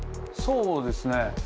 そうですね。